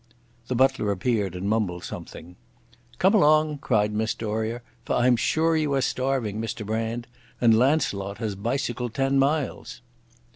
The butler appeared and mumbled something. "Come along," cried Miss Doria, "for I'm sure you are starving, Mr Brand. And Launcelot has bicycled ten miles."